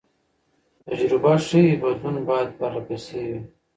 تجربه ښيي بدلون باید پرله پسې وي.